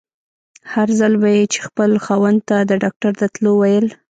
هر ځل به يې چې خپل خاوند ته د ډاکټر د تلو ويل.